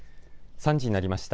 ３時になりました。